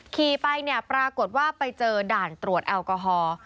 ขี่ไปเนี่ยปรากฏว่าไปเจอด่านตรวจแอลกอฮอล์